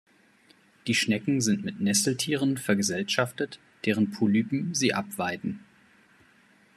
Die Schnecken sind mit Nesseltieren vergesellschaftet, deren Polypen sie abweiden.